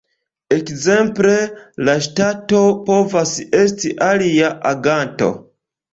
Ekzemple la ŝtato povas esti alia aganto.